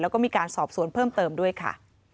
แล้วก็มีการสอบสวนเพิ่มเติมด้วยค่ะ